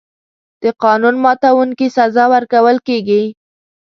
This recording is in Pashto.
د قانون ماتونکي سزا ورکول کېږي.